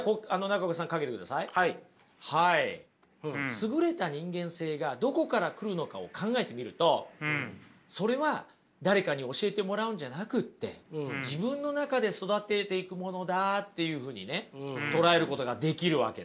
優れた人間性がどこから来るのかを考えてみるとそれは誰かに教えてもらうんじゃなくって自分の中で育てていくものだっていうふうにね捉えることができるわけです。